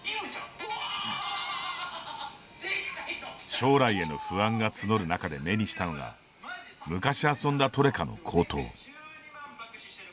将来への不安が募る中で目にしたのが昔遊んだトレカの高騰。